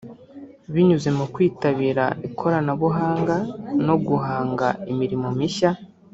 binyuze mu kwitabira ikoranabuhanga no guhanga imirimo mishya